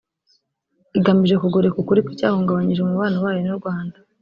igamije kugoreka ukuri kw’icyahungabanyije umubano wayo n’u Rwanda